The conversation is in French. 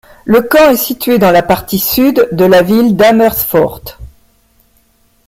Le camp est situé dans la partie sud de la ville d'Amersfoort.